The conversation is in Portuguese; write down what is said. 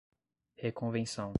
reconvenção